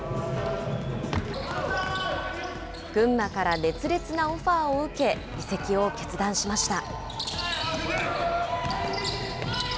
群馬から熱烈なオファーを受け、移籍を決断しました。